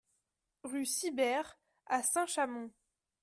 Rue Sibert à Saint-Chamond